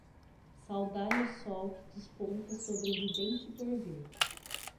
Saudai o Sol que desponta sobre um ridente porvir